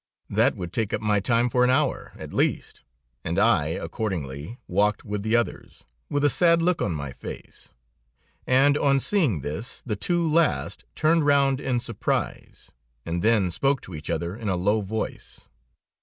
That would take up my time for an hour, at least, and I, accordingly, walked with the others, with a sad look on my face, and on seeing this, the two last turned round in surprise, and then spoke to each other in a low voice.